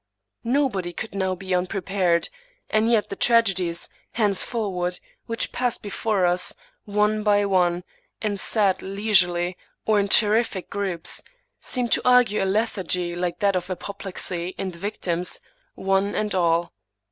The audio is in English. Nobody could now be unprepared ; and yet the tragedies, hencefor ward, which passed before us, one by one, in sad, leisurely, or in terrific groups, seemed to argue a lethargy like that of apoplexy in the victims, one and all.